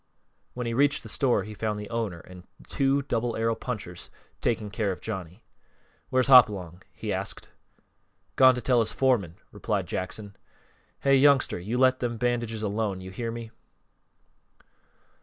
When he reached the store he found the owner and two Double Arrow punchers taking care of Johnny. "Where's Hopalong?" he asked. "Gone to tell his foreman," replied Jackson. "Hey, youngster, you let them bandages alone! Hear me?"